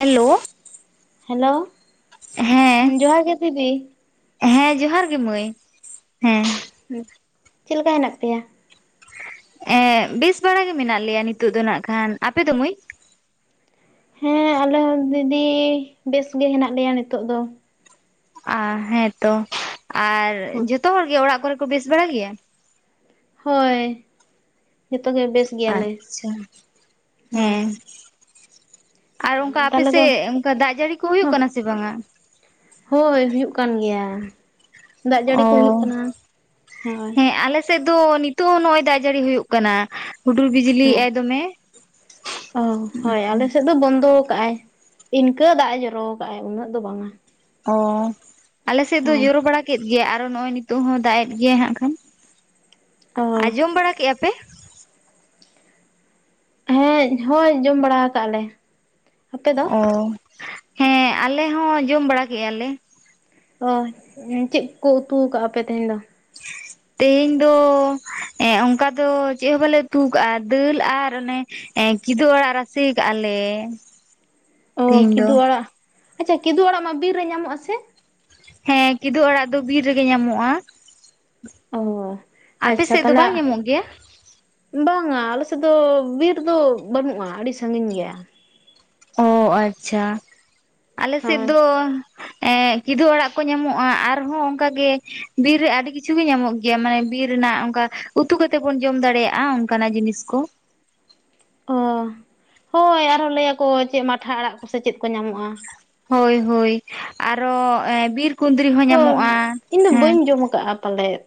Hello hello ᱦᱮᱸ ᱡᱚᱦᱟᱨ ᱜᱮ ᱫᱤᱫᱤ ᱦᱮᱸ ᱡᱚᱦᱟᱨ ᱜᱮ ᱢᱟᱹᱭ ᱦᱮᱸ ᱦᱮᱸ ᱪᱮᱫ ᱞᱮᱠᱟ ᱦᱮᱱᱟᱜ ᱯᱮᱭᱟ ᱮᱸ ᱵᱮᱥ ᱵᱟᱲᱟ ᱜᱮ ᱢᱮᱱᱟᱜ ᱞᱮᱭᱟ ᱱᱤᱛᱚᱜ ᱫᱚ ᱮᱱᱠᱷᱟᱱ ᱾ ᱠᱷᱟᱱ ᱟᱯᱮ ᱫᱚ ᱢᱟᱹᱭ? ᱦᱮᱸ ᱟᱞᱮ ᱦᱚᱸ ᱫᱤᱫᱤ ᱵᱮᱥ ᱜᱮ ᱦᱮᱱᱟᱜ ᱞᱮᱭᱟ ᱱᱤᱛᱚᱜ ᱫᱚ ᱚ ᱦᱮᱸᱛᱚ ᱟᱨ ᱡᱚᱛᱚ ᱦᱚᱲᱜᱮ ᱚᱲᱟᱜ ᱠᱚᱨᱮ ᱠᱚ ᱵᱮᱥ ᱵᱟᱲᱟ ᱜᱮᱭᱟ ᱦᱳᱭ ᱡᱚᱛᱚᱜᱮ ᱵᱮᱥ ᱜᱮᱭᱟᱞᱮ ᱟᱪᱪᱷᱟ ᱦᱳᱭ ᱦᱮᱸ ᱟᱨ ᱚᱱᱠᱟ ᱛᱟᱦᱚᱞᱮ ᱫᱚ ᱟᱯᱮᱥᱮᱫ ᱚᱱᱠᱟ ᱫᱟᱜ ᱡᱟᱹᱲᱤ ᱠᱚ ᱦᱩᱭᱩᱜ ᱠᱟᱱᱟ ᱥᱮ ᱵᱟᱝᱟ ᱦᱳᱭ ᱦᱩᱭᱩᱜ ᱠᱟᱱ ᱜᱮᱭᱟ ᱫᱟᱜ ᱡᱟᱹᱲᱤ ᱚ ᱠᱚ ᱦᱩᱭᱩᱜ ᱠᱟᱱᱟ ᱦᱳᱭ ᱦᱮᱸ ᱟᱞᱮ ᱥᱮᱫ ᱫᱚ ᱱᱤᱛᱚᱜ ᱦᱚᱸ ᱱᱚᱜᱼᱚᱭ ᱫᱟᱜ ᱡᱟᱹᱲᱤ ᱦᱩᱭᱩᱜᱜ ᱠᱟᱱᱟ ᱦᱩᱰᱩᱨ ᱵᱤᱡᱽᱞᱤᱜ ᱮ ᱫᱚᱢᱮ ᱚ ᱦᱳᱭ ᱟᱞᱮ ᱥᱮᱫ ᱫᱚ ᱵᱚᱱᱫᱚ ᱟᱠᱟᱫᱼ ᱟᱭ ᱤᱱᱠᱟᱹ ᱫᱟᱜ ᱮ ᱡᱚᱨᱚ ᱟᱠᱟᱫ ᱟᱭ ᱩᱱᱟᱹᱜ ᱫᱚ ᱵᱟᱝᱟ ᱚ ᱟᱞᱮ ᱥᱮᱫ ᱫᱚ ᱦᱳᱭ ᱡᱚᱨᱚ ᱵᱟᱲᱟ ᱠᱮᱫ ᱜᱮ ᱟᱨᱚ ᱱᱚᱜᱼᱚᱭ ᱱᱤᱛᱚᱜ ᱦᱚᱸ ᱫᱟᱜ ᱮᱫ ᱜᱮ ᱦᱜ ᱠᱷᱟᱱ ᱚ ᱟᱸᱡᱚᱢ ᱵᱟᱲᱟ ᱠᱮᱫᱼᱟ ᱯᱮ ᱦᱮᱸ ᱦᱳᱭ ᱡᱚᱢ ᱵᱟᱲᱟ ᱠᱟᱜ ᱞᱮ ᱟᱯᱮ ᱫᱚ? ᱚ ᱦᱮᱸ ᱟᱞᱮ ᱦᱚᱸ ᱡᱚᱢ ᱵᱟᱲᱟ ᱠᱮᱜᱼᱟ ᱞᱮ ᱚ ᱪᱮᱫ ᱠᱚ ᱩᱛᱩ ᱟᱠᱟᱟᱜᱼᱟ ᱟᱯᱮ ᱛᱮᱦᱮᱧ ᱫᱚ ᱦ [inaudible] ᱛᱮᱦᱮᱧ ᱫᱚ ᱚᱱᱠᱟ ᱫᱚ ᱪᱮᱫ ᱦᱚᱸ ᱵᱟᱞᱮ ᱩᱛᱩ ᱠᱟᱜᱼᱟ ᱫᱟᱹᱞ ᱟᱨ ᱚᱱᱮ ᱠᱤᱫᱩᱵᱽ ᱟᱲᱟᱜ ᱨᱟᱥᱮ ᱠᱟᱜᱼᱟ ᱞᱮ ᱚ ᱛᱮᱦᱮᱧ ᱫᱚ ᱠᱤᱫᱩ ᱟᱲᱟᱜ ᱟᱪᱪᱷᱟ ᱠᱤᱫᱩ ᱟᱲᱟᱜ ᱢᱟ ᱵᱤᱨ ᱨᱮ ᱧᱟᱢᱚᱜ ᱟᱥᱮ ᱦᱮᱸ ᱠᱤᱫᱩ ᱟᱲᱟᱜ ᱫᱚ ᱵᱤᱨ ᱨᱮᱜᱮ ᱧᱟᱢᱚᱜᱼᱟ ᱚ ᱟᱯᱮ ᱟᱪᱪᱷᱟ ᱥᱮᱫ ᱫᱚ ᱛᱟᱦᱚᱞᱮ ᱵᱟᱝ ᱧᱟᱢᱚᱜ ᱜᱮᱭᱟ ᱵᱟᱝᱟ ᱟᱥᱮᱫ ᱫᱚ ᱵᱤᱨ ᱫᱚ ᱵᱟᱹᱱᱩᱜᱼᱟ ᱟᱹᱰᱤ ᱥᱟᱺᱜᱤᱧ ᱜᱮᱭᱟ ᱚ ᱟᱪᱪᱷᱟ ᱟᱞᱮ ᱥᱮᱫ ᱦᱳᱭ ᱫᱚ ᱮ ᱠᱤᱫᱩ ᱟᱲᱟᱜ ᱠᱚ ᱧᱟᱢᱚᱜᱼᱟ ᱟᱨᱦᱚᱸ ᱚᱱᱠᱟᱜ ᱜᱮ ᱵᱤᱨ ᱨᱮ ᱟᱹᱰᱤ ᱠᱤᱪᱷᱩ ᱜᱮ ᱧᱟᱢᱚᱜ ᱜᱮᱭᱟ ᱢᱟᱱᱮ ᱵᱤᱨ ᱨᱮᱱᱟᱜ ᱚᱱᱠᱟ ᱩᱛᱩ ᱠᱟᱛᱮᱫ ᱵᱚᱱ ᱡᱚᱢ ᱫᱟᱲᱮᱭᱟᱜᱼᱟ ᱚᱱᱠᱟᱱᱟᱜ ᱡᱤᱱᱤᱥ ᱠᱚ [inaudible] ᱚ ᱦᱳᱭ ᱟᱨᱦᱚᱸ ᱞᱟᱹᱭ ᱟᱠᱠᱚ ᱪᱮᱫ ᱢᱟᱴᱷᱟ ᱟᱲᱟᱜ ᱠᱚᱥᱮ ᱪᱮᱫ ᱠᱚ ᱧᱟᱢᱚᱜᱼᱟ ᱦᱳᱭ ᱦᱳᱭ ᱟᱨᱚ ᱵᱤᱨ ᱠᱩᱸᱫᱽᱨᱤ ᱦᱚᱸ ᱛᱚ ᱧᱟᱢᱚᱜᱼᱟ ᱤᱧ ᱫᱚ ᱦᱮᱸ ᱵᱟᱹᱧ ᱡᱚᱢ ᱠᱟᱜᱼᱟ ᱯᱟᱞᱮᱫ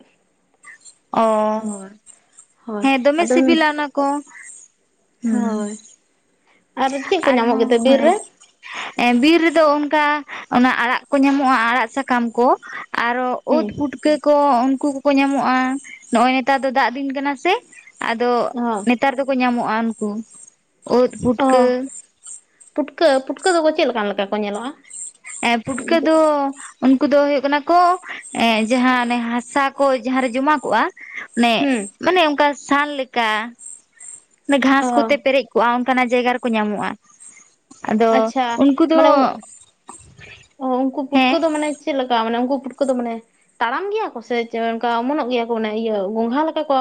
ᱚ ᱦᱳᱭ ᱦᱳᱭ ᱦᱮᱸ ᱫᱚᱢᱮ ᱟᱫᱚ ᱥᱤᱵᱤᱞᱟ ᱚᱱᱟ ᱠᱚ ᱦᱩᱸ ᱦᱳᱭ ᱟᱨ ᱪᱮᱫ ᱠᱚ ᱧᱟᱢᱚᱜ ᱟᱨᱦᱚᱸ ᱜᱮ ᱵᱤᱨ ᱨᱮ ᱵᱤᱨ ᱨᱮᱫᱚ ᱚᱱᱠᱟ ᱚᱱᱟ ᱟᱲᱟᱜ ᱠᱚ ᱧᱟᱢᱚᱜᱼᱟ ᱟᱲᱟᱜ ᱥᱟᱠᱟᱢ ᱠᱚ ᱟᱨᱚ ᱫ ᱦᱩᱸ ᱯᱩᱴᱠᱟᱹ ᱠᱚ ᱩᱱᱠᱩ ᱠᱚᱠᱚ ᱧᱟᱢᱚᱜᱼᱟ ᱱᱚᱜᱼᱚᱭ ᱱᱮᱛᱟᱨ ᱫᱚ ᱫᱟᱜ ᱫᱤᱱ ᱠᱟᱱᱟ ᱥᱮ ᱟᱫᱚ ᱚ ᱱᱮᱛᱟᱨ ᱫᱚᱠᱚ ᱧᱟᱢᱚᱜᱼᱟ ᱩᱱᱠᱩ ᱩᱫ ᱚ ᱯᱩᱴᱠᱟᱹ ᱯᱩᱴᱠᱟᱹ ᱯᱩᱴᱠᱟᱹ ᱫᱚᱠᱚ ᱪᱮᱫᱠᱟᱱ ᱞᱮᱠᱟ ᱠᱚ ᱧᱮᱞᱚᱜᱼᱟ ᱦᱮᱸ ᱯᱷᱩᱴᱠᱟᱹ ᱫᱚ ᱩᱱᱠᱩ ᱫᱚ ᱦ ᱦᱩᱭᱩᱜ ᱠᱟᱱᱟ ᱠᱚ ᱮ ᱡᱟᱦᱟᱸᱚᱱᱮ ᱦᱟᱥᱟ ᱠᱚ ᱡᱟᱦᱟᱸᱨᱮ ᱡᱚᱢᱟ ᱠᱚᱜᱼᱟ ᱟᱱᱮ ᱦᱩᱸ ᱢᱟᱱᱮ ᱚᱱᱠᱟ ᱥᱟᱱ ᱞᱮᱠᱟ ᱜᱷᱟᱥ ᱚ ᱠᱚᱛᱮ ᱯᱮᱨᱮᱡ ᱠᱚᱜᱼᱟ ᱡᱟᱭᱜᱟ ᱨᱮᱠᱚ ᱧᱟᱢᱚᱜᱼᱟ ᱟᱫᱚ ᱟᱪᱪᱷᱟ ᱩᱱᱠᱩ ᱫᱚ ᱢᱟᱱᱮ ᱚ ᱩᱱᱠᱩ ᱯᱩᱴᱠᱟᱹ ᱦᱮᱸ ᱫᱚ ᱢᱟᱱᱮ ᱪᱮ ᱠᱟ ᱢᱟᱱᱮ ᱩᱱᱠᱩ ᱯᱩᱴ ᱠᱚᱫᱚ ᱢᱟᱱᱮ ᱛᱟᱲᱟᱢ ᱜᱮᱭᱟ ᱠᱚ ᱥᱮ ᱚᱱᱠᱟ ᱚᱢᱚᱱᱚᱜ ᱜᱮᱭᱟ ᱠᱚ ᱢᱟᱱᱮ ᱤᱭᱟᱹ ᱜᱚᱝᱜᱷᱟ ᱞᱮᱠᱟ ᱠᱚ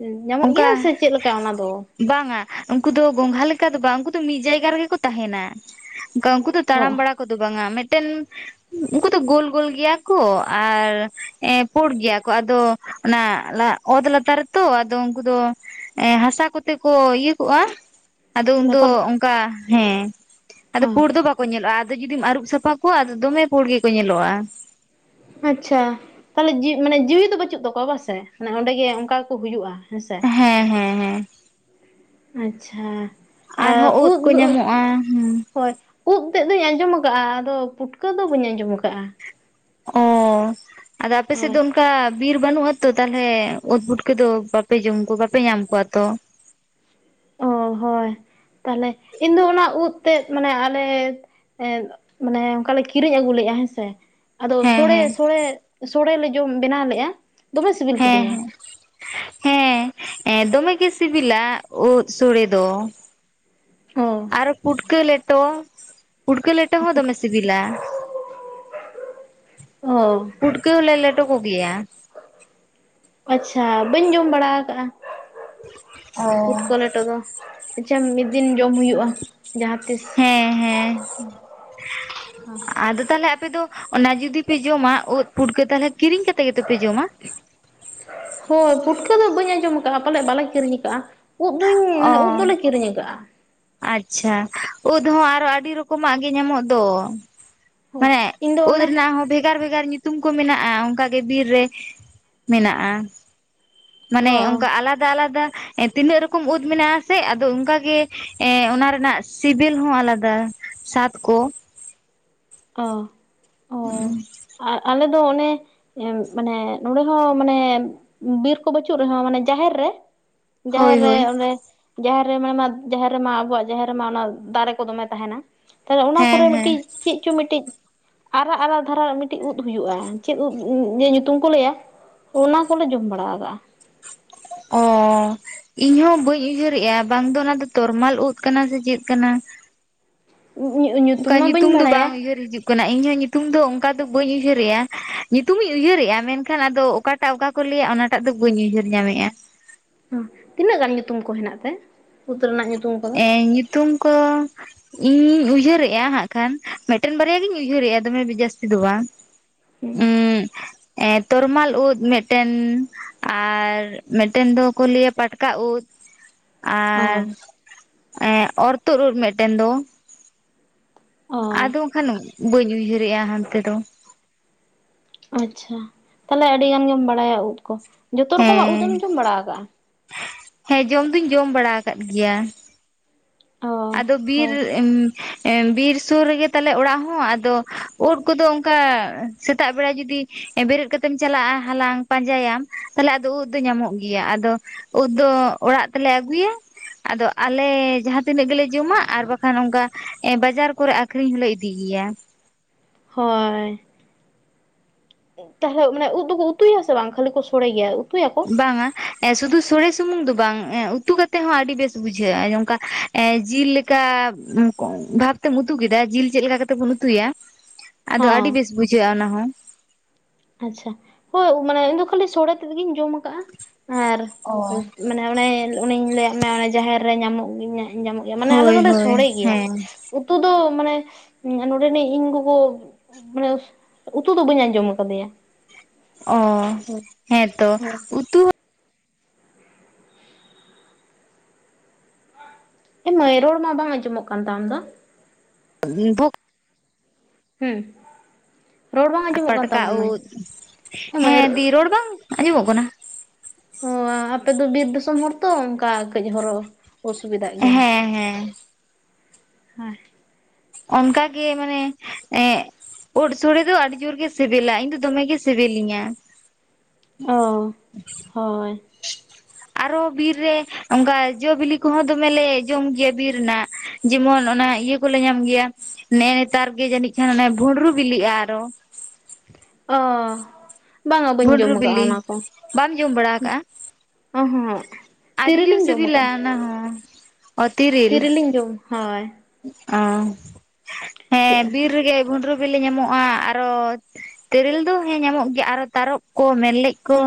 ᱧᱟᱢᱚᱜ ᱚᱱᱠᱟ ᱜᱮᱭᱟ ᱥᱮ ᱪᱮᱫ ᱞᱮᱠᱟ ᱚᱱᱟ ᱫᱚ ᱵᱟᱝᱟ ᱩᱱᱠᱩ ᱫᱚ ᱜᱚᱝᱜᱷᱟ ᱞᱮᱠᱟ ᱪᱠᱟ ᱫᱚ ᱵᱟᱝ ᱩᱱᱠᱩ ᱫᱚ ᱢᱤᱫ ᱡᱟᱭᱜᱟ ᱨᱮᱜᱮ ᱠᱚ ᱛᱟᱦᱮᱸᱱᱟ ᱩᱱᱠᱩ ᱫᱚ ᱛᱟᱲᱟᱢ ᱚ ᱵᱟᱲᱟ ᱠᱚᱫᱚ ᱵᱟᱝᱟ ᱢᱤᱫ ᱢᱤᱫᱴᱮᱱ ᱩᱱᱠᱩ ᱫᱚ ᱜᱳᱞ ᱜᱳᱞ ᱜᱮᱭᱟ ᱠᱚ ᱟᱨ ᱯᱩᱲ ᱜᱮᱭᱟ ᱠᱚ ᱟᱫᱚ ᱚᱱᱟ ᱚᱛ ᱞᱟᱹᱨ ᱨᱮ ᱛᱚ ᱟ ᱟᱫᱚ ᱩᱱᱠᱩ ᱫᱚ ᱮ ᱦᱟᱥᱟ ᱠᱚᱛᱮ ᱠᱚ ᱤᱭᱟᱹ ᱠᱚᱜᱼᱟ ᱟᱫᱚ ᱩᱱᱫᱚ ᱫᱟᱯᱟᱞ ᱚᱱᱠᱟ ᱦᱮᱸ ᱚ ᱟᱫᱚ ᱯᱩᱲ ᱫᱚ ᱵᱟᱠᱚ ᱧᱮᱞᱚᱜᱼᱟ ᱟᱫᱚ ᱡᱩᱫᱤᱢ ᱟᱹᱨᱩᱵ ᱥᱟᱯᱷᱟ ᱠᱚᱣᱟ ᱟᱫᱚ ᱫᱚᱢᱮ ᱯᱟᱹᱲ ᱜᱮᱠᱚ ᱧᱮᱞᱚᱜᱼᱟ ᱟᱪᱪᱷᱟ ᱛᱟᱦᱞᱮᱤ ᱢᱟᱱᱮ ᱡᱤᱣᱤ ᱫᱚ ᱵᱟᱹᱪᱩᱜ ᱛᱟᱠᱚᱣᱟ ᱵᱟᱝᱥᱮ ᱚᱱᱰᱮᱜᱮ ᱚᱱᱠᱟ ᱠᱚ ᱦᱩᱭᱩᱜᱼᱟ ᱦᱮᱸᱥᱮ ᱦᱮᱸ ᱦᱮᱸ ᱦᱮᱸ ᱟᱪᱪᱷᱟ ᱟᱨᱦᱚᱸ ᱩᱫ ᱠᱚ ᱧᱟᱢᱚᱜᱼᱟ ᱦᱮᱸ ᱦᱳᱭ ᱩᱫ ᱛᱮᱫ ᱫᱚᱧ ᱟᱸᱡᱚᱢ ᱟᱠᱟᱜᱼᱟ ᱟᱫᱚ ᱯᱩᱴᱠᱟᱹ ᱫᱚ ᱵᱟᱹᱧ ᱟᱸᱡᱚᱢ ᱟᱠᱟ ᱟᱫᱚ ᱟᱯᱮ ᱥᱮᱫ ᱫᱚ ᱚᱱᱠᱟ ᱵᱤᱨ ᱵᱟᱹᱱᱩᱜ ᱟᱛᱚ ᱛᱟᱦᱞᱮ ᱚᱛ ᱵᱩᱴᱠᱟᱹᱫᱚ ᱵᱟᱯᱮ ᱡᱚᱢ ᱠᱚ ᱵᱟᱯᱮ ᱧᱟᱢ ᱠᱚᱣᱟ ᱛᱚ ᱚ ᱦᱳᱭ ᱛᱟᱦᱞᱮ ᱤᱧ ᱫᱚ ᱚᱱᱟ ᱩᱫ ᱛᱮᱫ ᱢᱟᱱᱮ ᱟᱞᱮ ᱮᱜ ᱢᱟᱱᱮ ᱚᱱᱠᱟᱞᱮ ᱠᱤᱨᱤᱧ ᱟᱹᱜᱩ ᱞᱮᱫᱼᱟ ᱦᱮᱸᱥᱮ ᱟᱫᱚ ᱦᱮᱸ ᱥᱚᱲᱮ ᱦᱮᱸ ᱥᱚᱲᱮ ᱥᱚᱲᱮ ᱞᱮ ᱡᱚᱢ ᱵᱮᱱᱟᱣ ᱞᱮᱫᱼᱟ ᱫᱚᱢᱮ ᱥᱤᱵᱤᱞ ᱠᱤᱫᱤᱧᱟ ᱦᱮᱸ ᱦᱮᱸ ᱦᱮᱸ ᱫᱚᱢᱮᱜ ᱜᱮ ᱥᱤᱵᱤᱞᱟ ᱩᱫ ᱥᱚᱲᱮ ᱫᱚ ᱚ ᱟᱨ ᱯᱩᱰᱠᱟ ᱞᱮᱴᱚ ᱯᱩᱴᱠᱟᱹ ᱞᱮᱴᱚ ᱦᱚᱸ ᱫᱚᱢᱮ ᱥᱤᱵᱤᱞᱟ ᱚ ᱯᱩᱴᱠᱟᱹᱣ ᱦᱚᱸ ᱞᱮ ᱞᱮᱴᱚ ᱦᱚᱴᱚ ᱠᱚᱜᱮᱭᱟ ᱟᱪᱪᱷᱟ ᱵᱟᱹᱧ ᱡᱚᱢ ᱵᱟᱲᱟ ᱟᱠᱟᱫᱟᱼᱟ ᱚ ᱯᱩᱰ ᱠᱟ ᱞᱮᱴᱚ ᱫᱚ ᱟᱪᱪᱷᱟ ᱢᱤᱫ ᱫᱤᱱ ᱡᱚᱢ ᱦᱩᱭᱩᱜᱼᱟ ᱡᱟᱦᱟᱸ ᱛᱤᱥ ᱦᱮᱸ ᱦᱮᱸ ᱟᱫᱚ ᱛᱟᱦᱚᱞᱮ ᱟᱯᱮ ᱫᱚ ᱚᱱᱟ ᱡᱩᱫᱤ ᱯᱮ ᱡᱚᱢᱟ ᱩᱫ ᱯᱷᱩᱴᱠᱟᱹ ᱛᱟᱦᱚᱞᱮ ᱠᱤᱨᱤᱧ ᱠᱟᱛᱮ ᱜᱮᱛᱚᱯᱮ ᱡᱚᱢᱟ ᱦᱳᱭ ᱯᱷᱩᱴᱠᱟᱹ ᱫᱚ ᱵᱟᱹᱧ ᱟᱸᱡᱚᱢ ᱟᱠᱟᱟᱜᱼᱟ ᱯᱟᱞᱮᱫ ᱵᱟᱞᱮ ᱠᱤᱨᱤᱧ ᱟᱠᱟᱟᱜᱼᱟ ᱩᱫ ᱫᱚᱧ ᱚ ᱢᱟᱱᱮ ᱩᱫ ᱫᱚᱞᱮ ᱠᱤᱨᱤᱧ ᱟᱠᱟᱟᱜᱼᱟ ᱟᱪᱪᱷᱟ ᱩᱫ ᱦᱚᱸ ᱟᱨᱚ ᱟᱹᱰᱤ ᱨᱚᱠᱚᱢᱟᱜ ᱜᱮ ᱧᱟᱢᱚᱜ ᱫᱚ ᱦᱳᱭ ᱢᱟᱱᱮ ᱤᱧ ᱫᱚ ᱩᱫ ᱚᱱᱮ ᱨᱮᱱᱟᱜ ᱦᱚᱸ ᱵᱷᱮᱜᱟᱨ ᱵᱷᱮᱜᱟᱨ ᱧᱩᱛᱩᱢ ᱠᱚ ᱢᱮᱱᱟᱜᱼᱟ ᱚᱱᱠᱟ ᱵᱤᱨ ᱨᱮ ᱢᱮᱱᱟᱜᱼᱟ ᱢᱟᱱᱮ ᱚ ᱚᱱᱠᱟ ᱟᱞᱟᱫᱟ ᱟᱞᱟᱫᱟ ᱛᱤᱱᱟᱹᱜ ᱨᱚᱠᱚᱢ ᱩᱫ ᱢᱮᱱᱟᱜᱥᱮ ᱟᱫᱚ ᱚᱱᱠᱟᱜᱮ ᱮ ᱚᱱᱟ ᱨᱮᱱᱟᱜ ᱥᱤᱵᱤᱞ ᱦᱚᱸ ᱟᱞᱟᱫᱟ ᱥᱟᱛ ᱠᱚ ᱚ ᱚ ᱦᱮᱸ ᱟᱨ ᱟᱞᱮ ᱫᱚ ᱚᱱᱮ ᱢᱟᱱᱮ ᱱᱚᱸᱰᱮ ᱦᱚᱸ ᱢᱟᱱᱮ ᱵᱤᱨ ᱠᱚ ᱵᱟᱹᱪᱩᱜ ᱨᱮᱦᱚᱸ ᱢᱟᱱᱮ ᱡᱟᱦᱮᱨ ᱨᱮ ᱦᱳᱭ ᱡᱟᱦᱮᱨ ᱨᱮ ᱦᱳᱭ ᱚᱱᱰᱮ ᱡᱟᱦᱮᱨ ᱨᱮ ᱢᱟᱱᱮ ᱢᱟ ᱡᱟᱦᱮᱨ ᱨᱮᱢᱟ ᱟᱵᱚᱣᱟᱜ ᱡᱟᱦᱮᱨ ᱨᱮᱢᱟ ᱚᱱᱟ ᱫᱟᱨᱮ ᱠᱚ ᱫᱚᱢᱮ ᱛᱟᱦᱮᱱᱟ ᱛᱟᱦᱞᱮ ᱚᱱᱟ ᱦᱮᱸ ᱠᱚᱨᱮ ᱦᱮᱸ ᱢᱤᱫᱴᱤᱡ ᱪᱮᱫ ᱪᱚ ᱢᱤᱫᱴᱤᱡ ᱟᱨᱟᱜ ᱟᱨᱟᱜ ᱫᱷᱟᱨᱟ ᱢᱤᱫᱴᱤᱡ ᱩᱫ ᱦᱩᱭᱩᱜᱼᱟ ᱪᱮᱫ ᱩᱫ ᱧᱩᱛᱩᱢ ᱠᱚ ᱞᱟᱹᱭᱟ ᱚᱱᱟ ᱠᱚᱞᱮ ᱡᱚᱢ ᱵᱟᱲᱟ ᱟᱠᱟ-ᱟᱜᱼᱟ ᱚ ᱤᱧ ᱦᱚᱸ ᱵᱟᱹᱧ ᱩᱭᱦᱟᱹᱨᱮᱫᱼᱟ ᱵᱟᱝ ᱫᱚ ᱚᱱᱟ ᱫᱚ ᱛᱚᱨᱢᱟᱞ ᱩᱫ ᱠᱟᱱᱟ ᱥᱮ ᱪᱮᱫ ᱠᱟᱱᱟ ᱸ [inaudible] ᱚᱱᱠᱟ ᱧᱩᱛᱩᱢ ᱫᱚ ᱵᱟᱝ ᱩᱭᱦᱟᱹᱨ ᱦᱤᱡᱩᱜ ᱠᱟᱱᱟ ᱤᱧᱟᱹᱜ ᱧᱩᱛᱩᱢ ᱫᱚ ᱚᱠᱟ ᱫᱚ ᱵᱟᱹᱧ ᱩᱭᱦᱟᱹᱨᱮᱫᱼᱟ ᱧᱩᱛᱩᱢᱤᱧ ᱩᱭᱦᱟᱹᱨᱮᱜᱼᱟ ᱢᱮᱱᱠᱷᱟᱱ ᱟᱫᱚ ᱚᱠᱟᱴᱟᱜ ᱚᱠᱟ ᱠᱚ ᱞᱟᱹᱭᱟ ᱚᱱᱟᱴᱟᱜ ᱫᱚ ᱵᱟᱹᱧ ᱩᱭᱦᱟᱹᱨᱫᱟ ᱧᱟᱢᱮᱫᱼᱟ ᱛᱤᱱᱟᱹᱜ ᱜᱟᱱ ᱧᱩᱛᱩᱢ ᱠᱚ ᱦᱮᱱᱟᱜ ᱛᱮ ᱨᱮᱱᱟᱜ ᱧᱩᱛᱩᱢ ᱠᱚᱫᱚ ᱮᱸ ᱧᱩᱛᱩᱢ ᱠᱚ ᱤᱧ ᱩᱭᱦᱟᱹᱨᱮᱫᱼᱟ ᱦᱟᱸᱜ ᱠᱷᱟᱱ ᱢᱤᱫᱴᱮᱱ ᱵᱟᱨᱭᱟ ᱜᱤᱧ ᱩᱭᱦᱟᱹᱨᱮᱫᱼᱟ ᱫᱚᱢᱮ ᱡᱟᱹᱥᱛᱤ ᱫᱚ ᱵᱟᱝ ᱦᱮᱸ ᱩᱸ ᱛᱚᱨᱢᱟᱞ ᱩᱫ ᱢᱤᱫᱴᱮᱱ ᱟᱨ ᱢᱤᱫᱴᱮᱱ ᱫᱚᱠᱚ ᱞᱟᱹᱭᱟ ᱯᱟᱴᱠᱟ ᱩᱫ ᱦ [inaudible] ᱟᱨ ᱚᱨ ᱛᱩᱫ ᱢᱤᱫᱴᱮᱱ ᱫᱚ ᱚ ᱟᱫᱚ ᱵᱟᱝᱠᱷᱟᱱ ᱵᱟᱹᱧ ᱩᱭᱦᱟᱹᱨᱮᱜᱼᱟ ᱦᱟᱱᱛᱮ ᱫᱚ ᱟᱪᱪᱷᱟ ᱛᱟᱦᱞᱮ ᱟᱹᱰᱤ ᱜᱟᱱ ᱜᱮᱢ ᱵᱟᱲᱟᱭᱟ ᱩᱵ ᱠᱚ ᱡᱚᱛᱚ ᱨᱚᱠᱚᱢᱟᱜ ᱦᱮᱸ ᱩᱫᱢᱤ ᱠᱚᱢ ᱵᱟᱲᱟ ᱟᱠᱟᱫᱟᱼᱟ ᱦᱮᱸ ᱡᱚᱢ ᱫᱩᱧ ᱡᱚᱢ ᱵᱟᱲᱟ ᱟᱠᱟᱫ ᱜᱮᱭᱟ ᱚ ᱟᱫᱚ ᱵᱤᱨ ᱦᱳᱭ ᱵᱤᱨ ᱥᱩᱨ ᱨᱮᱜᱮ ᱛᱟᱞᱮ ᱚᱲᱟᱜ ᱦᱚᱸ ᱟᱫᱚ ᱩᱫ ᱠᱚᱫᱚ ᱚᱱᱠᱟ ᱥᱮᱛᱟᱜ ᱵᱮᱲᱟ ᱡᱩᱫᱤ ᱵᱮᱨᱮᱫ ᱠᱟᱛᱮᱢ ᱪᱟᱞᱟᱜᱼᱟ ᱦᱟᱞᱟᱝ ᱯᱟᱸᱡᱟᱭᱟᱢ ᱛᱟᱦᱮ ᱟᱫᱚ ᱩᱫ ᱫᱚ ᱧᱟᱢᱚᱜ ᱜᱮᱭᱟ ᱟᱫᱚ ᱩᱫ ᱫᱚ ᱚᱲᱟᱜ ᱛᱮᱞᱮ ᱟᱹᱜᱩᱭᱟ ᱟᱫᱚ ᱟᱞᱮ ᱛᱤᱱᱟᱹᱜ ᱜᱮᱞᱮ ᱡᱚᱢᱟ ᱟᱨ ᱵᱟᱠᱷᱟᱱ ᱚᱱᱠᱟ ᱵᱟᱡᱟᱨ ᱠᱚᱨᱮ ᱟᱠᱷᱨᱤᱧ ᱦᱚᱞᱮ ᱤᱫᱤ ᱜᱮᱭᱟ ᱦᱳᱭ ᱛᱟᱦᱚᱞᱮ ᱢᱟᱱᱮ ᱩᱫ ᱫᱚᱠᱚ ᱩᱛᱩᱭᱟᱥᱮ ᱵᱟᱝ ᱠᱷᱟᱹᱞᱤ ᱠᱚ ᱥᱚᱲᱮᱭᱟ ᱵᱟᱝᱼᱟ ᱥᱩᱫᱷᱩ ᱥᱩᱨᱮ ᱥᱩᱢᱩᱝ ᱫᱚ ᱩᱛᱩ ᱠᱟᱛᱮ ᱦᱚᱸ ᱟᱹᱰᱤ ᱵᱮᱥ ᱵᱩᱡᱷᱟᱹᱜᱼᱟ ᱱᱚᱝᱠᱟ ᱡᱤᱞ ᱞᱮᱠᱟ ᱵᱷᱟ ᱠᱟᱛᱮᱢ ᱩᱛᱩ ᱠᱮᱫᱟ ᱡᱤᱞ ᱪᱮᱫ ᱞᱮᱠᱟ ᱠᱟᱛᱮ ᱵᱚᱱ ᱩᱛᱩᱭᱟ ᱟᱫᱚ ᱟᱹᱰᱤ ᱦᱚᱸ ᱵᱮᱥ ᱵᱩᱡᱷᱟᱹᱜᱼᱟ ᱚᱱᱟᱦ ᱟᱪᱪᱷᱟ ᱦᱳᱭ ᱢᱟᱱᱮ ᱤᱧᱫᱚ ᱠᱷᱟᱹᱞᱤ ᱥᱚᱲᱮ ᱛᱮᱫᱜᱤᱧ ᱡᱚᱢ ᱟᱠᱟᱟᱜᱼᱟ ᱟᱨ ᱚ ᱢᱟᱱᱮ ᱚᱱᱮ ᱞᱟᱹᱭᱟᱫ ᱢᱮᱭᱟ ᱚᱱᱮ ᱡᱟᱦᱮᱨ ᱨᱮ ᱧᱟᱢᱚᱜ ᱜᱮᱧᱟ ᱧᱟᱢᱚᱜ ᱜᱮᱭᱟ ᱢᱟᱱᱮ ᱟᱞᱮ ᱦᱳᱭ ᱫᱚᱞᱮ ᱥᱚᱲᱮ ᱦᱳᱭ ᱜᱮᱭᱟ ᱦᱮᱸ ᱩᱛᱩ ᱫᱚ ᱢᱟᱱᱮ ᱱᱚᱰᱮᱱᱤᱡ ᱤᱧ ᱜᱚᱜᱚ ᱢᱟᱱᱮ ᱩᱛᱩ ᱫᱚ ᱵᱟᱹᱧ ᱟᱸᱡᱚᱢᱟ ᱛᱫᱭᱟ ᱚ ᱦᱮᱸᱛᱚ ᱩᱛᱩ ᱦᱮᱸ ᱢᱟᱹᱭ ᱨᱚᱲ ᱢᱟ ᱵᱟᱝ ᱟᱸᱡᱚᱢᱚᱜ ᱠᱟᱱ ᱛᱟᱢ ᱫᱚ [unintelligible] ᱦᱮᱸ ᱟᱨ ᱯᱟᱴᱠᱟ ᱩᱫ ᱦᱮᱸ ᱫᱤ ᱨᱚᱲ ᱵᱟᱝ ᱟᱸᱡᱚᱢᱚᱜ ᱠᱟᱱᱟ ᱚ ᱟᱯᱮ ᱫᱚ ᱵᱤᱨ ᱫᱤᱥᱚᱢ ᱦᱚᱲ ᱛᱚ ᱚᱱᱠᱟ ᱠᱟᱹᱡ ᱦᱚᱨᱚ ᱚᱥᱩᱵᱤᱫᱷᱟᱜ ᱜᱮᱭᱟ ᱦᱮᱸ ᱦᱮᱸ ᱦᱮᱸ ᱚᱱᱠᱟᱜᱮ ᱢᱟᱱᱮ ᱮᱸ ᱩᱫ ᱥᱳᱲᱮ ᱫᱚ ᱟᱹᱰᱤ ᱡᱳᱨ ᱜᱮ ᱥᱤᱵᱤᱞᱟ ᱤᱧ ᱫᱚ ᱫᱚᱢᱮ ᱜᱮ ᱥᱤᱵᱤᱞᱤᱧᱟᱹ ᱚ ᱦᱳᱭ ᱟᱨᱦᱚ ᱵᱤᱨ ᱨᱮ ᱚᱱᱠᱟ ᱡᱚᱵᱤᱞᱤ ᱠᱚᱦᱚᱸ ᱫᱚᱢᱮᱞᱮ ᱡᱚᱢ ᱜᱮᱭᱟ ᱵᱤᱨ ᱨᱮᱱᱟᱜ ᱡᱮᱢᱚᱱ ᱚᱱᱟ ᱤᱭᱟᱹ ᱠᱚᱞᱮ ᱧᱟᱢ ᱜᱮᱭᱟ ᱱᱮᱜᱼ ᱱᱮᱛᱟᱨ ᱜᱮ ᱡᱟᱹᱱᱤᱡ ᱠᱷᱟᱱᱚᱱᱮ ᱵᱷᱩᱸᱰᱨᱩ ᱵᱤᱞᱤᱜᱼᱟ ᱟᱨᱚ ᱦ ᱚ ᱵᱟᱝᱟ ᱵᱟᱹᱧ ᱡᱚᱢ ᱵᱷᱩᱸᱰᱨᱩ ᱟᱠᱟᱟᱜᱼᱟ ᱵᱤᱞᱤ ᱚᱱᱟ ᱠᱚ ᱵᱟᱢ ᱡᱚᱢ ᱵᱟᱲᱟ ᱟᱠᱟᱜᱼᱟ ᱚ ᱦᱚᱸ ᱟᱹᱰᱤ ᱡᱩᱨ ᱥᱩᱵᱤᱞᱟᱚᱱᱟ ᱦᱚᱸ ᱚ ᱛᱤᱨᱤᱞ ᱛᱤᱨᱤᱞᱤᱧ ᱡᱚᱢ ᱦᱳᱭ ᱚ ᱦᱮᱸ ᱵᱤᱨ ᱨᱮᱜᱮ ᱜᱩᱱᱵᱨᱩ ᱵᱤᱞᱤ ᱧᱟᱢᱚᱜᱼᱟ ᱟᱨᱚ ᱛᱤᱨᱤᱞ ᱫᱚ ᱦᱮᱸ ᱧᱟᱢᱚᱜ ᱜᱮᱭᱟ ᱟᱨᱦᱚᱸ ᱛᱟᱨᱚᱵ ᱠᱚ ᱢᱮᱨᱞᱮᱡ ᱠᱚ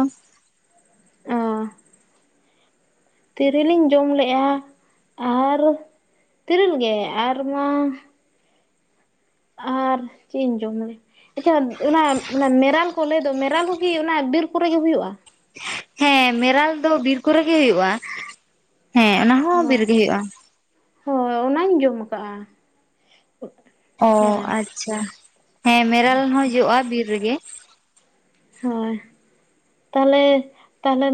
ᱚ ᱛᱤᱨᱤᱞᱤᱧ ᱡᱚᱢ ᱞᱮᱼᱟ ᱟᱨ ᱛᱤᱨᱤᱞ ᱜᱮ ᱟᱨ ᱢᱟ ᱟᱨ ᱪᱮᱫ ᱤᱧ ᱡᱚᱢ ᱞᱮ ᱟᱪᱪᱷᱟ ᱚᱱᱟ ᱢᱮᱨᱟᱞ ᱠᱚ ᱞᱟᱹᱭ ᱫᱚ ᱢᱮᱨᱟᱞ ᱠᱚᱜᱮ ᱚᱱᱟ ᱵᱤᱨ ᱠᱚᱨᱮᱜ ᱜᱮ ᱦᱩᱭᱩᱜᱼᱟ ᱦᱮᱸ ᱢᱮᱨᱟᱞ ᱫᱚ ᱵᱤᱨ ᱠᱚᱨᱮ ᱜᱮ ᱦᱩᱭᱩᱜᱼᱟ ᱦᱮᱸ ᱚᱱᱟ ᱦᱚᱸ ᱚ ᱵᱤᱨ ᱨᱮᱜᱮ ᱦᱩᱭᱩᱜᱼᱟ ᱦᱳᱭ ᱚᱱᱟᱧ ᱡᱚᱢ ᱟᱠᱟᱜᱼᱟ ᱚ ᱢᱮᱨᱟᱞ ᱟᱪᱪᱷᱟ ᱦᱮᱸ ᱢᱮᱨᱟᱞ ᱦᱚᱸ ᱡᱚᱼᱟ ᱵᱤᱨ ᱨᱮᱜᱮ ᱦᱳᱭ ᱛᱟᱦᱚᱞᱮ ᱛᱟᱦᱞᱮ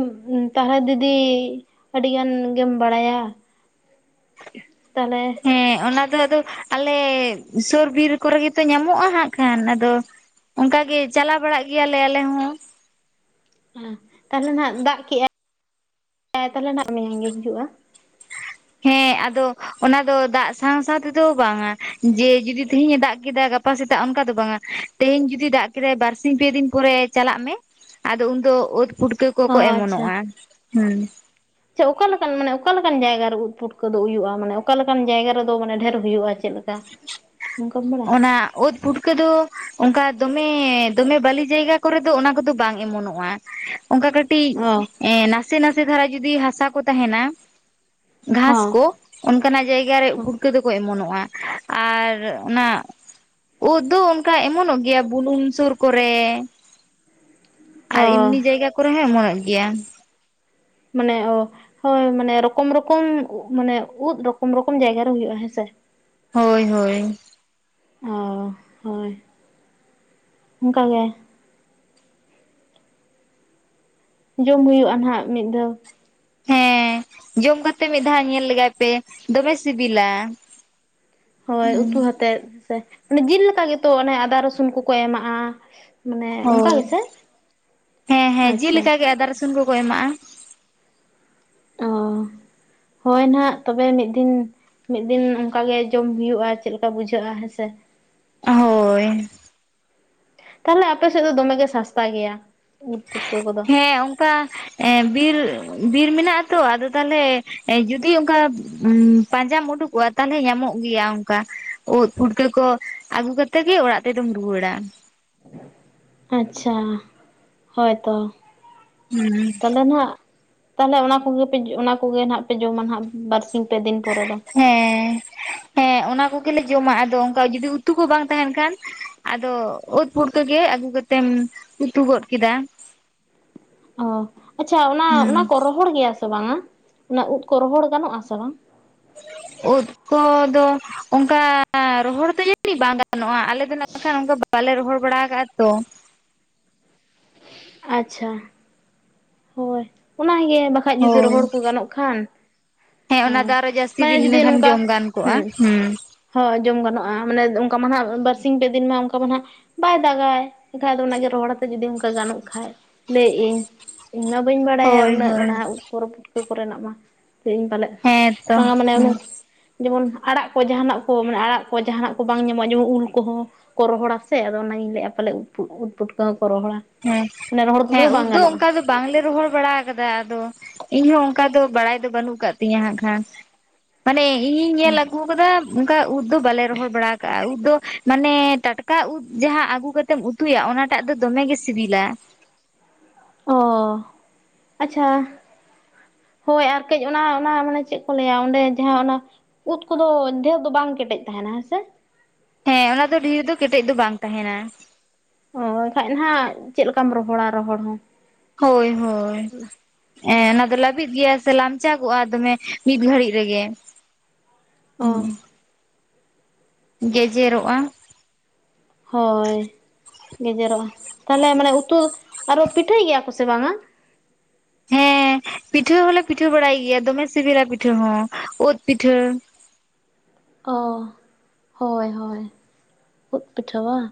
ᱛᱟᱦᱚᱞᱮ ᱫᱤᱫᱤ ᱟᱹᱰᱤᱜᱟᱱ ᱜᱮᱢ ᱵᱟᱲᱟᱭᱟ ᱛᱟᱦᱚᱞᱮ ᱟ ᱟᱫᱚ ᱟᱞᱮ ᱥᱩᱨ ᱵᱤᱨ ᱠᱚᱨᱮ ᱜᱮᱛᱚ ᱧᱟᱢᱚᱜᱼᱟ ᱦᱟᱸᱜ ᱠᱷᱟᱱ ᱟᱫᱚ ᱚᱱᱠᱟᱜᱮ ᱪᱟᱞᱟᱣ ᱵᱟᱲᱟᱜ ᱜᱮᱭᱟᱞᱮ ᱟᱞᱮ ᱦᱚᱸ ᱦᱮ ᱛᱟᱦᱚᱞᱮ ᱱᱟᱜ ᱫᱟᱜ ᱠᱮᱜᱼᱟᱭ ᱛᱟᱦᱞᱮ ᱱᱟᱦᱟᱜ ᱜᱮ ᱦᱩᱭᱩᱜᱼᱟ ᱦᱮᱸ ᱟᱫᱚ ᱚᱱᱟ ᱫᱚ ᱫᱟᱜ ᱥᱟᱶ ᱥᱟᱶ ᱛᱮᱫᱚ ᱵᱟᱝᱟ ᱡᱮ ᱡᱩᱫᱤ ᱛᱮᱦᱤᱧ ᱮ ᱫᱟᱜ ᱠᱮᱫᱟ ᱜᱟᱯᱟ ᱥᱮᱛᱟᱜ ᱚᱱᱠᱟ ᱫᱚ ᱵᱟᱝᱟ ᱛᱮᱦᱮᱧ ᱡᱩᱫᱤ ᱫᱟᱜ ᱠᱮᱫᱟᱭ ᱵᱟᱨᱥᱤᱧ ᱯᱮ ᱫᱤᱱ ᱯᱚᱨᱮ ᱪᱟᱞᱟᱜ ᱢᱮ ᱟᱫᱚ ᱩᱱᱫᱚ ᱳᱫ ᱯᱩᱴᱠᱟᱹ ᱠᱚᱠᱚ ᱚᱢᱚᱱᱚᱜᱼᱟ ᱦᱮᱸ ᱪᱮ ᱚᱠᱟ ᱞᱮᱠᱟᱱ ᱢᱟᱱᱮ ᱚᱠᱟ ᱞᱮᱠᱟᱱ ᱡᱟᱭᱜᱟ ᱩᱫ ᱯᱩᱴᱠᱟᱹ ᱫᱚ ᱦᱩᱭᱩᱜᱼᱟ ᱢᱟᱱᱮ ᱚᱠᱟ ᱞᱮᱠᱟᱱ ᱡᱟᱭᱜᱟ ᱨᱮᱫᱚ ᱢᱟᱱᱮ ᱰᱷᱮᱨ ᱦᱩᱭᱩᱜᱼᱟ ᱪᱮᱫ ᱞᱮᱠᱟ ᱚᱱᱠᱟᱢ ᱵᱟᱲᱟᱭᱟ ᱚᱱᱟ ᱚᱛ ᱯᱩᱴᱠᱟᱹ ᱫᱚ ᱚᱱᱠᱟ ᱫᱚᱢᱮ ᱫᱚᱢᱮ ᱵᱟᱹᱞᱤ ᱡᱟᱭᱜᱟ ᱠᱚᱨᱮ ᱫᱚ ᱚᱱᱟ ᱠᱚᱫᱚ ᱵᱟᱝ ᱮᱢᱚᱱᱚᱜᱼᱟ ᱚᱱᱠᱟ ᱠᱟᱹᱴᱤᱡ ᱚ ᱮ ᱱᱟᱥᱮ ᱱᱟᱥᱮ ᱫᱷᱟᱨᱟ ᱡᱚᱫᱤ ᱦᱟᱥᱟ ᱠᱚ ᱛᱟᱦᱮᱱᱟ ᱜᱷᱟᱥ ᱦᱚᱸ ᱠᱚ ᱚᱱᱠᱟᱱᱟᱜ ᱡᱟᱭᱜᱟ ᱨᱮ ᱯᱩᱴᱠᱟᱹ ᱫᱚᱠᱚ ᱮᱢᱚᱱᱚᱜᱼᱟ ᱟᱨ ᱚᱱᱟ ᱩᱫ ᱫᱚ ᱚᱱᱠᱟ ᱮᱢᱚᱱᱚᱜ ᱜᱮᱭᱟ ᱵᱩᱞᱩᱝ ᱥᱩᱨ ᱠᱚᱨᱮ ᱚ ᱟᱨ ᱮᱢᱱᱤ ᱡᱟᱭᱜᱟ ᱠᱚᱨᱮ ᱦᱚᱸ ᱮᱢᱚᱱᱚᱜ ᱜᱮᱭᱟ ᱢᱟᱱᱮ ᱚ ᱦᱳᱭ ᱢᱟᱱᱮ ᱨᱚᱠᱚᱢ ᱨᱚᱠᱚᱢ ᱢᱟᱱᱮ ᱩᱫ ᱨᱚᱠᱚᱢ ᱨᱚᱠᱚᱢ ᱡᱟᱭᱜᱟᱨᱮ ᱦᱩᱭᱩᱜᱼᱟ ᱦᱮᱸᱥᱮ ᱦᱳᱭ ᱦᱳᱭ ᱚ ᱦᱳᱭ ᱚᱱᱠᱟᱜ ᱜᱮ ᱡᱚᱢ ᱦᱩᱭᱩᱜᱼᱟ ᱱᱟᱦᱟᱜ ᱢᱤᱫ ᱫᱷᱟᱣ ᱦᱮᱸ ᱡᱚᱢ ᱠᱟᱛᱮᱫ ᱢᱤᱫ ᱫᱷᱟᱣ ᱧᱮᱞ ᱞᱮᱜᱟᱭ ᱯᱮ ᱫᱚᱢᱮ ᱥᱤᱵᱤᱞᱟ ᱦᱳᱭ ᱦᱩᱸ ᱩᱛᱩ ᱟᱛᱮᱫ ᱥᱮ ᱡᱤᱞ ᱞᱮᱠᱟ ᱜᱮᱛᱚ ᱚᱱᱮ ᱟᱫᱟ ᱨᱚᱥᱩᱱ ᱠᱚᱠᱚ ᱮᱢᱟᱜᱼᱟ ᱢᱟᱱᱮ ᱚᱱᱠᱟ ᱦᱳᱭ ᱜᱮᱥᱮ ᱦᱮᱸ ᱦᱮᱸ ᱡᱤᱞ ᱟᱪᱪᱷᱟ ᱞᱮᱠᱟ ᱜᱮ ᱟᱫᱟᱨ ᱠᱚᱠᱚ ᱮᱢᱟᱜᱼᱟ ᱚ ᱦᱳᱭ ᱱᱟᱦᱟᱜ ᱛᱚᱵᱮ ᱢᱤᱫ ᱫᱤᱱ ᱢᱤᱫ ᱫᱤᱱ ᱚᱱᱠᱟᱜᱮ ᱡᱚᱢ ᱦᱩᱭᱩᱜᱼᱟ ᱪᱮᱫ ᱞᱮᱠᱟ ᱵᱩᱡᱷᱟᱹᱜᱼᱟ ᱦᱮᱸᱥᱮ ᱚ ᱦᱳᱭ ᱛᱟᱦᱞᱮ ᱟᱯᱮ ᱥᱮᱫ ᱫᱚ ᱫᱚᱢᱮ ᱜᱮ ᱥᱟᱥᱛᱟ ᱜᱮᱭᱟ ᱩᱫ ᱯᱩᱴᱠᱟᱹ ᱠᱚᱫᱚ ᱦᱮᱸ ᱚᱱᱠᱟ ᱮᱻ ᱵᱤᱨ ᱵᱤᱨ ᱢᱮᱱᱟᱜᱼᱟ ᱛᱚ ᱟᱫᱚ ᱛᱟᱦᱚᱞᱮ ᱡᱩᱫᱤ ᱚᱱᱠᱟ ᱯᱟᱸᱡᱟᱢ ᱩᱰᱩᱠᱚᱜᱼᱟ ᱛᱟᱦᱚᱞᱮ ᱧᱟᱢᱚᱜᱼᱟ ᱜᱮᱭᱟ ᱚᱱᱠᱟ ᱩᱫ ᱯᱷᱩᱴᱠᱟᱹ ᱠᱚ ᱟᱹᱜᱩ ᱠᱟᱛᱮᱫ ᱜᱮ ᱚᱲᱟᱜ ᱛᱮᱫᱚᱢ ᱨᱩᱣᱟᱹᱲᱟ ᱟᱪᱪᱷᱟ ᱦᱳᱭᱛᱚ ᱦᱩᱸ ᱛᱟᱦᱚᱞᱮ ᱱᱟᱦᱟᱜ ᱛᱟᱦᱚᱞᱮ ᱚᱱᱟ ᱠᱚᱜᱮᱯᱮ ᱚᱱᱟ ᱠᱚᱜᱮ ᱯᱮ ᱡᱚᱢᱟ ᱱᱟᱦᱟᱜ ᱵᱟᱨᱥᱤ ᱦᱮᱸ ᱦᱮᱸ ᱚᱱᱟ ᱠᱚᱜᱮᱞᱮ ᱡᱚᱢᱟ ᱟᱫᱚ ᱚᱱᱠᱟ ᱡᱩᱫᱤ ᱩᱛᱩ ᱠᱚ ᱵᱟᱝ ᱛᱟᱦᱮᱱ ᱠᱷᱟᱱ ᱟᱫᱚ ᱩᱫ ᱯᱷᱩᱴᱠᱟᱹ ᱜᱮ ᱟᱹᱜᱩ ᱠᱟᱛᱮᱢ ᱩᱛᱩ ᱜᱚᱫ ᱠᱮᱫᱟ ᱚ ᱟᱪᱪᱷᱟ ᱚᱱᱟ ᱦᱩᱸ ᱚᱱᱟ ᱠᱚ ᱨᱚᱦᱚᱲ ᱜᱮᱭᱟ ᱥᱮ ᱵᱟᱝᱟ ᱚᱱᱟ ᱩᱫ ᱠᱚ ᱨᱚᱦᱚᱲ ᱜᱟᱱᱚᱜᱼᱟ ᱥᱮ ᱵᱟᱝ ᱩᱫ ᱠᱚᱫᱚ ᱚᱱᱠᱟ ᱨᱚᱦᱚᱲ ᱫᱚ ᱡᱟᱹᱱᱤᱡ ᱵᱟᱝ ᱜᱟᱱᱚᱜᱼᱟ ᱟᱞᱮ ᱫᱚᱮᱠᱷᱟᱱ ᱵᱟᱞᱮ ᱨᱚᱦᱚᱲ ᱵᱟᱲᱟ ᱟᱠᱟᱫ ᱛᱚ [inaudible] ᱟᱪᱪᱷᱟ ᱦᱳᱭ ᱚᱱᱟᱜᱮ ᱵᱟᱠᱷᱟᱡ ᱡᱩᱫᱤ ᱦᱳᱭ ᱨᱚᱦᱚᱲ ᱠᱚ ᱜᱟᱱᱚᱜ ᱠᱷᱟᱱ ᱦᱮᱸ ᱚᱱᱟ ᱦᱳᱭ ᱫᱚ ᱟᱨᱚ ᱡᱟᱹᱥᱛᱤ ᱢᱟᱱᱮ ᱫᱤᱱ ᱡᱩᱫᱤ ᱤᱱᱟᱹᱠᱷᱟᱱ ᱱᱚᱝᱠᱟ ᱡᱚᱢ ᱜᱟᱱ ᱠᱚᱜᱼᱟ ᱦᱮᱸ ᱦᱩᱸ ᱦᱳᱭ ᱡᱚᱢ ᱜᱟᱱᱚᱜᱼᱟ ᱢᱟᱱᱮ ᱚᱱᱠᱟ ᱢᱟ ᱱᱟᱜ ᱵᱟᱨᱥᱤᱧ ᱯᱮ ᱫᱤᱱ ᱢᱟ ᱚᱱᱠᱟ ᱢᱟ ᱱᱟᱜ ᱵᱟᱭ ᱫᱟᱜᱟᱭ ᱮᱱᱠᱷᱟᱡ ᱫᱚ ᱜᱮ ᱨᱚᱦᱚᱲᱛᱮ ᱡᱩᱫᱤ ᱚᱱᱠᱟ ᱜᱟᱱᱚᱜ ᱠᱷᱟᱡ ᱞᱟᱹᱭᱮᱫ ᱤᱧ ᱤᱧᱢᱟ ᱵᱟᱹᱧ ᱵᱟᱲᱟᱭᱟ ᱦᱳᱭ ᱩᱱᱟᱹᱜ ᱦᱳᱭ ᱚᱱᱟ ᱩᱫ ᱠᱚ ᱯᱷᱩᱴᱠᱟᱹ ᱠᱚᱨᱮᱱᱟᱜ ᱢᱟ ᱛᱮ ᱤᱧ ᱯᱟᱞᱮ ᱦᱮᱸ ᱛᱚ ᱵᱟᱝᱟ ᱦᱮᱸ ᱢᱟᱱᱮ ᱡᱮᱢᱚᱱ ᱟᱲᱟᱜ ᱠᱚ ᱡᱟᱦᱟᱱᱟᱜ ᱠᱚ ᱢᱟᱱᱮ ᱟᱲᱟᱜ ᱠᱚ ᱡᱟᱦᱟᱱᱟᱜ ᱠᱚ ᱵᱟᱝ ᱧᱟᱢᱚᱜᱼᱟ ᱡᱮᱢᱚᱱ ᱩᱞ ᱠᱚᱦᱚᱸ ᱠᱚ ᱨᱚᱦᱚᱲ ᱥᱮ ᱟᱫᱚ ᱤᱧ ᱞᱟᱹᱭᱮᱫᱼᱟ ᱯᱟᱞᱮᱱ ᱩᱫ ᱯᱷᱩᱴᱠᱟᱹ ᱦᱮᱸ ᱦᱮᱸ ᱩᱫ ᱫᱚ ᱜᱟᱱᱚᱜᱼᱟ ᱚᱱᱠᱟ ᱵᱟᱝᱞᱮ ᱨᱚᱦᱚᱲ ᱵᱟᱲᱟ ᱟᱠᱟᱫᱟ ᱟᱫᱚ ᱤᱧᱦᱚᱸ ᱚᱱᱠᱟ ᱫᱚ ᱵᱟᱲᱟᱭ ᱫᱚ ᱵᱟᱹᱱᱩᱜ ᱟᱠᱟᱫ ᱛᱤᱧᱟᱹ ᱦᱟᱸᱜ ᱠᱷᱟᱱ ᱢᱟᱱᱮ ᱤᱧᱤᱧ ᱦᱮᱸ ᱧᱮᱞ ᱟᱹᱜᱩᱣ ᱟᱠᱟᱫᱟ ᱚᱱᱠᱟ ᱩᱫ ᱫᱚ ᱵᱟᱞᱮ ᱨᱚᱦᱚᱲ ᱵᱟᱲᱟ ᱟᱠᱟᱼᱟ ᱩᱫ ᱫᱚ ᱢᱟᱱᱮ ᱴᱟᱴᱠᱟ ᱩᱫ ᱡᱟᱦᱟᱸ ᱟᱹᱜᱩ ᱠᱟᱛᱮᱢ ᱩᱛᱩᱭᱟ ᱚᱱᱟᱴᱟᱜ ᱫᱚ ᱫᱚᱢᱮ ᱜᱮ ᱥᱤᱵᱤᱞᱟ ᱚᱻ ᱟᱪᱪᱷᱟ ᱦᱳᱭ ᱟᱨ ᱠᱟᱹᱡ ᱚᱱᱟ ᱚᱱᱟ ᱢᱟᱱᱮ ᱪᱮᱫ ᱠᱚ ᱞᱟᱹᱭᱟ ᱚᱸᱰᱮ ᱡᱟᱦᱟᱸ ᱚᱱᱟ ᱩᱫ ᱠᱚᱫᱚ ᱰᱷᱮᱨ ᱫᱚ ᱵᱟᱝ ᱠᱮᱴᱮᱡ ᱛᱟᱦᱮᱱᱟ ᱦᱮᱸ ᱥᱮ ᱦᱮᱸ ᱚᱱᱟ ᱫᱚ ᱰᱷᱮᱨ ᱫᱚ ᱠᱮᱴᱮᱡ ᱫᱚ ᱵᱟᱝ ᱛᱟᱦᱮᱱᱟ ᱚ ᱮᱱᱠᱷᱟᱡ ᱱᱟᱱᱟᱜ ᱪᱮᱫ ᱞᱮᱠᱟᱢ ᱨᱚᱦᱚᱲᱟ ᱨᱚᱦᱚᱲ ᱦᱚᱸ ᱦᱳᱭ ᱦᱳᱭ ᱮᱻ ᱚᱱᱟ ᱫᱚ ᱞᱟᱹᱵᱤᱫ ᱜᱮᱭᱟ ᱥᱮ ᱞᱟᱢᱪᱟᱜᱚᱜᱼᱟ ᱫᱚᱢᱮ ᱢᱤᱫ ᱜᱷᱟᱹᱲᱤᱡ ᱨᱮᱜᱮ ᱚ ᱜᱮᱡᱮᱨᱚᱜᱼᱟ ᱦᱳᱭ ᱜᱮᱡᱮᱨᱚᱜᱼᱟ ᱛᱟᱦᱞᱮ ᱢᱟᱱᱮ ᱩᱛᱩ ᱟᱨᱚ ᱯᱤᱴᱷᱟᱹᱭ ᱜᱮᱭᱟ ᱠᱚ ᱥᱮ ᱵᱟᱝᱼᱟ [inaudible] ᱦᱮᱸ ᱯᱤᱴᱷᱟᱹ ᱦᱚᱞᱮ ᱯᱤᱴᱷᱟᱹ ᱵᱟᱲᱟᱭ ᱜᱮᱭᱟ ᱫᱚᱢᱮ ᱥᱤᱵᱤᱞᱟ ᱯᱤᱴᱷᱟᱹ ᱦᱚᱸ ᱩᱫ ᱯᱤᱴᱷᱟᱹ ᱚ ᱦᱳᱭ ᱦᱳᱭ ᱩᱫ ᱯᱤᱴᱷᱟᱹᱣᱟ ᱵᱟᱝ